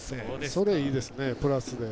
それいいですね、プラスで。